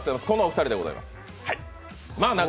このお二人でございます。